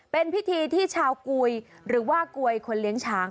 เป็นพิธีที่ชาวกุยหรือว่ากวยคนเลี้ยงช้าง